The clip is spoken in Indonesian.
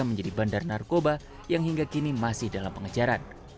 menjadi bandar narkoba yang hingga kini masih dalam pengejaran